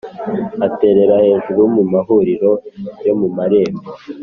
Aterera hejuru mu mahuriro yo mu marembo,